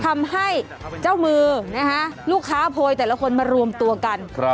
ทำให้เจ้ามือนะฮะลูกค้าโพยแต่ละคนมารวมตัวกัน